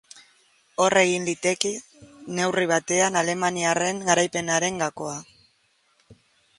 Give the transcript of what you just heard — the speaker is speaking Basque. Hor egin liteke, neurri batean, alemaniarraren garaipenaren gakoa.